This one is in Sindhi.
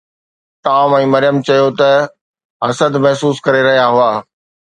ٽام ۽ مريم چيو ته اهي حسد محسوس ڪري رهيا هئا.